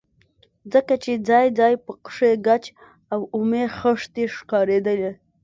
ځکه چې ځاى ځاى پکښې ګچ او اومې خښتې ښکارېدلې.